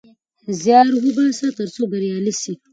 زيار وباسه ترڅو بريالی سې